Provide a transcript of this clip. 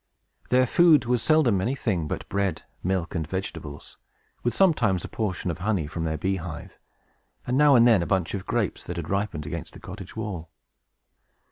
Their food was seldom anything but bread, milk, and vegetables, with sometimes a portion of honey from their beehive, and now and then a bunch of grapes, that had ripened against the cottage wall.